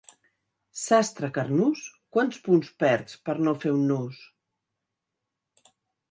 Sastre carnús, quants punts perds per no fer un nus!